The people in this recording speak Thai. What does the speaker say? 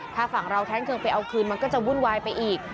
ถ้าฝั่งเราแท้งเครื่องไปเอาคืนมันก็จะวุ่นวายไปอีก